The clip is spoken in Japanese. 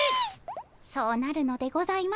そうなるのでございますね。